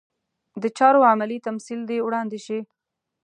د چارو عملي تمثیل دې وړاندې شي.